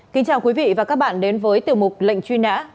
kính chào quý vị và các bạn đến với tiểu mục lệnh truy nã